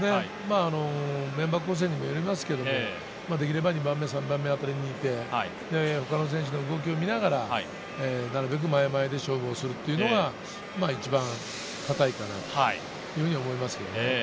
メンバー構成にもよりますけど、できれば２番目、３番目あたりにいて、他の選手の動きを見ながら、なるべく前々で勝負するのが一番堅いかなと思いますね。